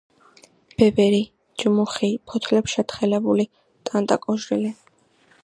ბებერი, ჯმუხი, ფოთლებშეთხელებული, ტანდაკოჟრილი.